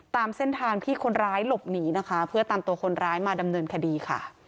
ตามเส้นทางที่คนร้ายหลบหนีนะคะเพื่อตามตัวคนร้ายมาดำเนินคดีค่ะ